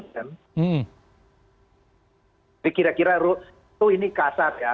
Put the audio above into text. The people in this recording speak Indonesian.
jadi kira kira itu ini kasar ya